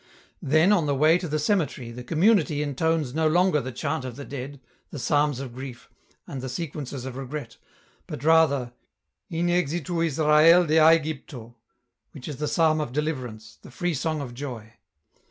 " Then on the way to the cemetery the community intones no longer the chant of the dead, the psalms of grief, and the sequences of regret, but rather ' In exitu Israel de ■^gyptOj' which is the psalm of deliverance, the free song of Joy.